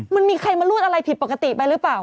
มันมีใครมารูดอะไรผิดปกติไปหรือเปล่า